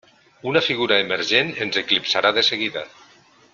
Una figura emergent ens eclipsarà de seguida.